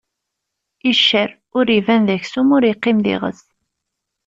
Iccer ur iban d aksum, ur iqqim d iɣes.